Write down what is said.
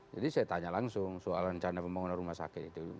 jadi saya tanya langsung soal rencana pembangunan rumah sakit itu